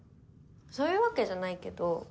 そういうわけじゃないけど。